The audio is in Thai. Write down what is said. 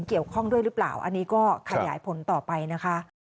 เกี่ยวข้องด้วยหรือเปล่าอันนี้ก็ขยายผลต่อไปนะคะ